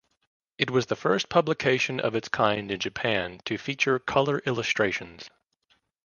It was the first publication of its kind in Japan to feature color illustrations.